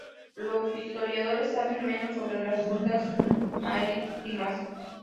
Los historiadores saben menos sobre las rutas marítimas.